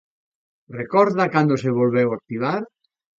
¿Recorda cando se volveu activar?